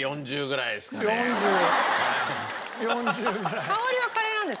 ４０４０ぐらい。